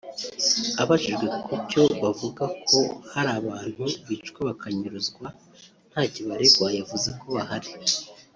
Abajijwe kucyo kuvuga ko hari abantu bicwa bakanyuruzwa ntacyo baregwa yavuze ko bahari